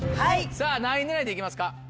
さぁ何位狙いで行きますか？